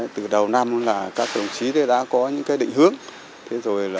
từ đầu năm là các đồng chí đã có những định hướng